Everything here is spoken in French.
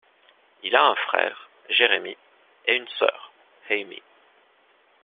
Il a un frère, Jeremy, et une soeur, Amy.